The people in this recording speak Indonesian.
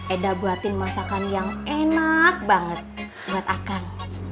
eda buatin masakan yang enak banget buat akan